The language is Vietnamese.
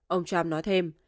ông trump nói thêm